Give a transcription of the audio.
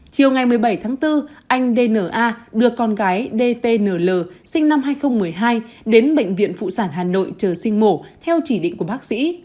chiều ngày một mươi bảy tháng bốn anh d n a đưa con gái d t n l sinh năm hai nghìn một mươi hai đến bệnh viện phụ sản hà nội chờ sinh mổ theo chỉ định của bác sĩ